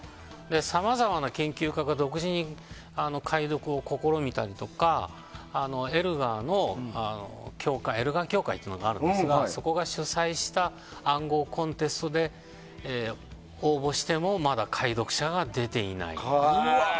さまざまな研究家が独自に解読を試みたりとかエルガー協会というのがあるんですがそこが主催した暗号コンテストで応募してもまだ解読者が出ていないと。